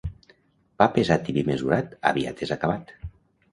Pa pesat i vi mesurat, aviat és acabat.